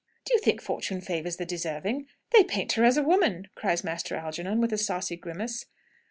"Do you think fortune favours the deserving? They paint her as a woman!" cries Master Algernon, with a saucy grimace.